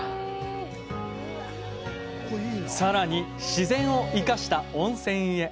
さらに自然を生かした温泉へ。